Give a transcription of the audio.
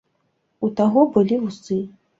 У таго былі вусы.